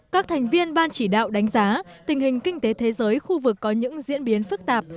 các thành viên ban chỉ đạo đánh giá tình hình kinh tế thế giới khu vực có những diễn biến phức tạp